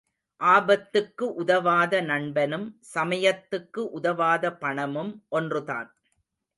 ஆபத்துக்கு உதவாத நண்பனும் சமயத்துக்கு உதவாத பணமும் ஒன்றுதான்.